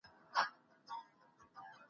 موږ باید له تېرو تجربو ګټه واخلو.